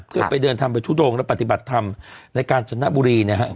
ก็ไปเดินทำไปทุกโดงแล้วปฏิบัติทำในการจนทะบุรีเนี่ยฮะ